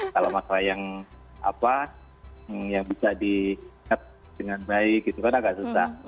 kalau masalah yang bisa dilihat dengan baik gitu kan agak susah